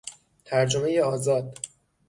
ترجمهی آزاد